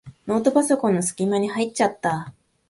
ノートパソコンのすき間に入っちゃった。